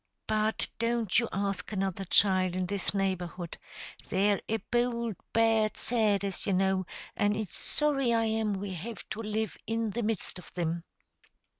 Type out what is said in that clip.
But don't you ask another child in this neighborhood; they're a bould, bad set, as you know, and it's sorry I am we have to live in the midst of thim."